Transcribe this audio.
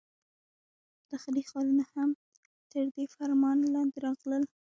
داخلي ښارونه هم تر دې فرمان لاندې راغلل.